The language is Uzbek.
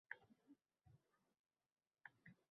Sen eski qo‘rg‘on atrofida yurgan ekansan